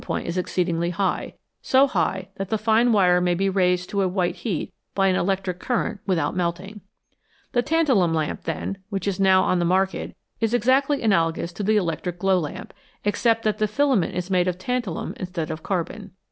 METALS, COMMON AND UNCOMMON an inch in diameter, and its melting point is exceedingly high, so high that the fine wire may be raised to a white heat by an electric current without melting. The tantalum lamp, then, which is now on the market, is exactly analogous to the electric glow lamp, except that the filament is made of tantalum instead of carbon.